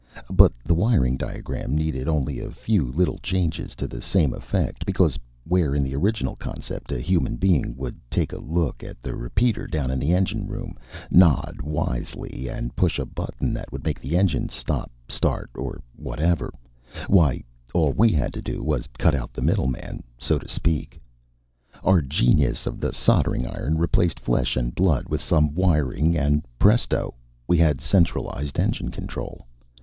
But the wiring diagram needed only a few little changes to get the same effect, because where in the original concept a human being would take a look at the repeater down in the engine room, nod wisely, and push a button that would make the engines stop, start, or whatever why, all we had to do was cut out the middleman, so to speak. Our genius of the soldering iron replaced flesh and blood with some wiring and, presto, we had centralized engine control.